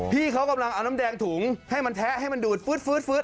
พี่เขากำลังเอาน้ำแดงถุงให้มันแทะให้มันดูดฟื๊ด